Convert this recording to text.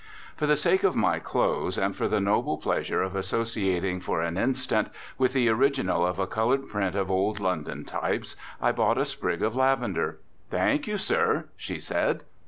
For the sake of my clothes, and for the noble pleasure of associating for an instant with the original of a coloured print of old London types, I bought a sprig of lavender. "Thank you, sir," she said.